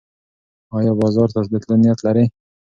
ایا بازار ته د تلو نیت لرې؟